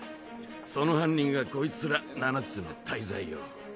その犯人がこいつら七つの大罪よ。